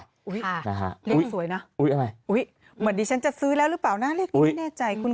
ค่ะเลขสวยนะอุ๊ยเหมือนดีฉันจะซื้อแล้วหรือเปล่านะเลขนี้แน่ใจคุณ